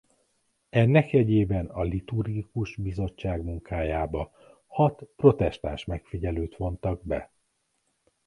Ennek jegyében a Liturgikus Bizottság munkájába hat protestáns megfigyelőt vontak be.